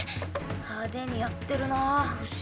派手にやってるなフシ。